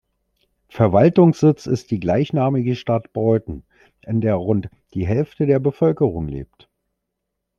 Verwaltungssitz ist die gleichnamige Stadt Bolton, in der rund die Hälfte der Bevölkerung lebt.